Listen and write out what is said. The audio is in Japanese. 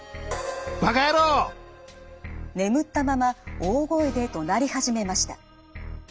眠ったまま大声でどなり始めました。